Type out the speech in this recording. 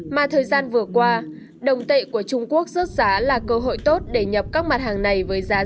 mà thời gian vừa qua đồng tệ của trung quốc rớt giá là cơ hội tốt để nhập các mặt hàng này với giá rẻ